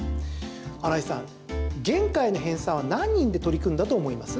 荒井さん、「言海」の編さんは何人で取り組んだと思います？